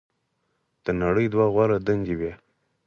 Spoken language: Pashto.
"د نړۍ دوه غوره دندې وې.